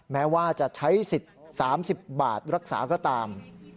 แม้ว่าจะใช้สิทธิ์๓๐บาทรักษาก็ตาม